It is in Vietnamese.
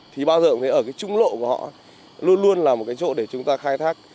thì bao giờ cũng thấy ở cái trung lộ của họ luôn luôn là một cái chỗ để chúng ta khai thác